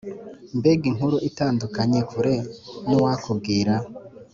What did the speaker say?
mbega inkuru itandukanye kure n’uwakubwira